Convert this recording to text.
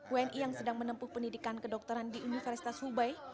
wni yang sedang menempuh pendidikan kedokteran di universitas hubei